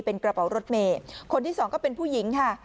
เป็นกระเป๋ารถเมย์คนที่สองก็เป็นผู้หญิงค่ะ